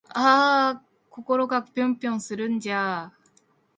あぁ〜心がぴょんぴょんするんじゃぁ〜